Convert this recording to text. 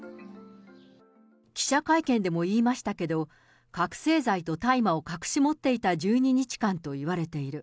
記者会見でも言いましたけど、覚醒剤と大麻を隠し持っていた１２日間と言われている。